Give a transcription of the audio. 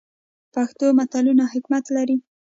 پښتو متلونه حکمت لري